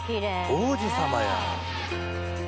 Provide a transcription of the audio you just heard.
「王子様や」